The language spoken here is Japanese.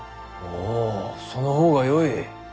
あぁその方がよい。